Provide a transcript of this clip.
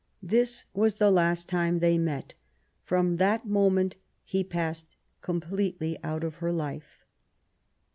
This was the last time they met. From that moment he passed completely out of her life.